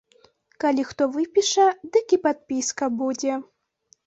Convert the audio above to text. Калі хто выпіша, дык і падпіска будзе.